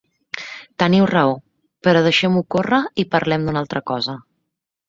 Teniu raó; però deixem-ho córrer i parlem d'una altra cosa.